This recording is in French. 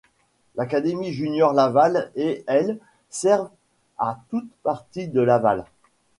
L'Académie Junior Laval et l' servent a toutes parties de Laval.